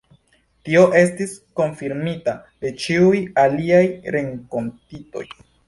Tio estis konfirmita de ĉiuj aliaj renkontitoj.